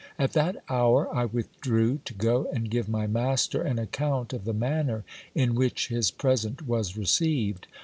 At that hour I withdrew, to go and give my master an account of the manner in which his present was received.